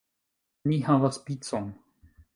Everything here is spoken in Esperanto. Ni havas picon!